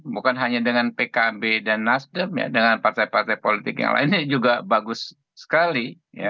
bukan hanya dengan pkb dan nasdem dengan partai partai politik yang lainnya juga bagus sekali